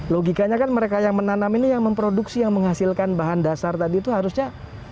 logikanya kan mereka yang menanam ini yang memproduksi yang menghasilkan bahan dasar tadi itu harusnya